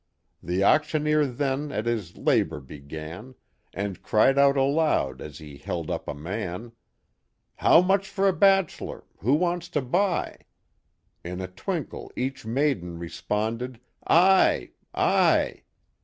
The auctioneer then at his labor began And cried out aloud, as he held up a man, •* How much for a bachelor! Who wants to buy ?In a twinkle each maiden responded, I! I!